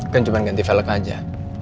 kan cuma ganti velog aja